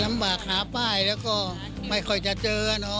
ลำบากหาป้ายแล้วก็ไม่ค่อยจะเจอเนอะ